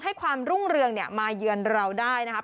ความรุ่งเรืองมาเยือนเราได้นะครับ